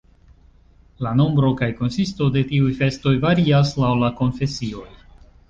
La nombro kaj konsisto de tiuj festoj varias laŭ la konfesioj.